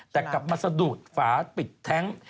แต่กลับมาสะดุดฝาปิดแท้ง